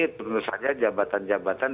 tentu saja jabatan jabatan